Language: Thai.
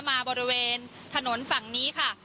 บริเวณถนนฝั่งนี้ค่ะ